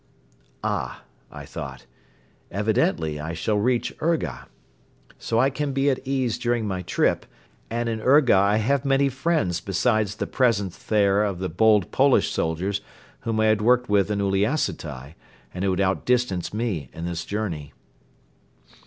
"Ah!" I thought, "evidently I shall reach Urga. So I can be at ease during my trip, and in Urga I have many friends beside the presence there of the bold Polish soldiers whom I had worked with in Uliassutai and who had outdistanced me in this journey."